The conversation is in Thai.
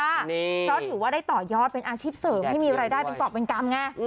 ก็ถือว่าได้ต่อยอดเป็นอาชีพเสริมที่มีรายได้เป็นฝักเป็นกรรมไง